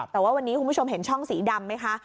แต่ว่าวันนี้คุณผู้ชมเห็นช่องสีดำไหมคะ